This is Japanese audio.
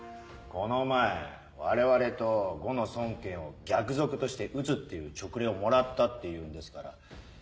この前我々と呉の孫権を逆賊として討つっていう勅令をもらったっていうんですから。